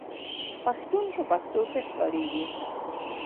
پښتون په پښتو ښه ښکاریږي